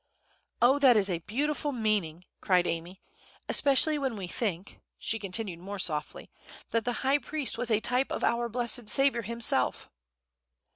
"Oh, that is a beautiful meaning!" cried Amy; "especially when we think," she continued, more softly, "that the high priest was a type of our blessed Saviour Himself."